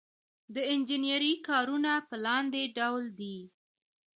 د انجنیری کارونه په لاندې ډول دي.